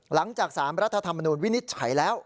หลังจาก๓รัฐธรรมนูญวินิจฉัยแล้ว